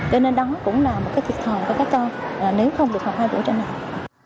cho nên đó cũng là một thiệt thòi của các con nếu không được học hai buổi trên ngày